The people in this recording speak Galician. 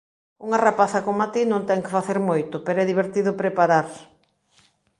Unha rapaza coma ti non ten que facer moito, pero é divertido preparar